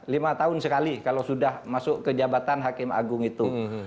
lima tahun sekali kalau sudah masuk ke jabatan hakim agung itu